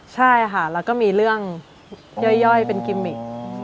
ใช่ค่ะแล้วก็มีเรื่องย่อยเป็นกิมมิก